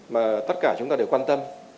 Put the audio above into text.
mà tất cả chúng ta đều quan tâm